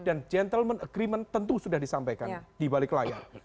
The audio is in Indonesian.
dan gentleman agreement tentu sudah disampaikan di balik layar